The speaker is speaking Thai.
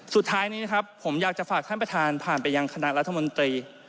สุดท้ายนี้นะครับผมอยากจะฝากท่านประธานผ่านไปยังคณะรัฐมนตรี